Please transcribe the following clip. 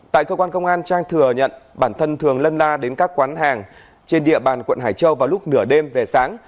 tại cơ quan công an trang thừa nhận bản thân thường lân la đến các quán hàng trên địa bàn quận hải châu vào lúc nửa đêm về sáng